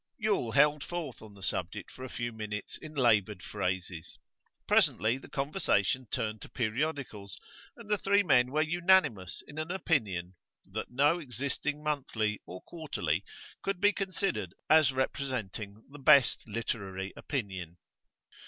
Yule held forth on the subject for a few minutes in laboured phrases. Presently the conversation turned to periodicals, and the three men were unanimous in an opinion that no existing monthly or quarterly could be considered as representing the best literary opinion.